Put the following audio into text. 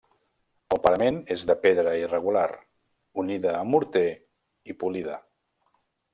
El parament és de pedra irregular, unida amb morter i polida.